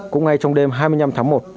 cũng ngay trong đêm hai mươi năm tháng một